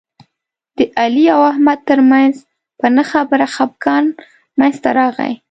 د علي او احمد ترمنځ په نه خبره خپګان منځ ته راغی.